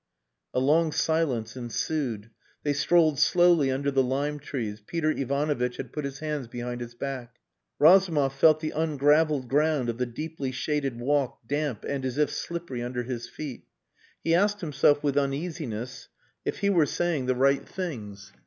A long silence ensued. They strolled slowly under the lime trees. Peter Ivanovitch had put his hands behind his back. Razumov felt the ungravelled ground of the deeply shaded walk damp and as if slippery under his feet. He asked himself, with uneasiness, if he were saying the right things.